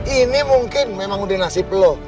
ini mungkin memang udah nasib peluk